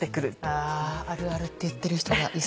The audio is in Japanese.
あ「あるある」って言ってる人がいそう。